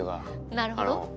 なるほど。